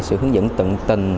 sự hướng dẫn tận tình